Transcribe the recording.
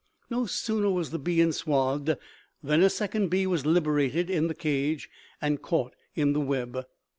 "No sooner was the bee enswathed than a second bee was liberated in the cage and caught in the web.